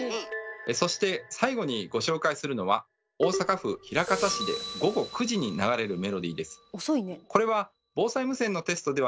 そして最後にご紹介するのは大阪府枚方市で午後９時に流れるメロディーです。